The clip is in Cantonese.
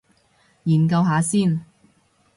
研究下先